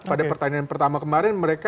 pada pertandingan pertama kemarin mereka